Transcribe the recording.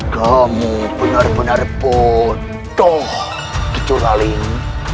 kamu benar benar bodoh kecuali